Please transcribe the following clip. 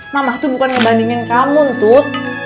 mama tuh bukan ngebandingin kamu tut